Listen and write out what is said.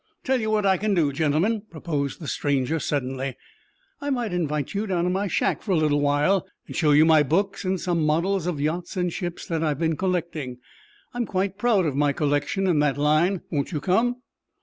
"Tell you what I can do, gentlemen," proposed the stranger, suddenly. "I might invite you down to my shack for a little while, and show you my books and some models of yachts and ships that I've been collecting. I'm quite proud of my collection in that line. Won't you come?"